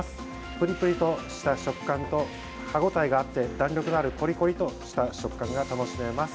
プリプリとした食感と歯ごたえがあって弾力のあるコリコリとした食感が楽しめます。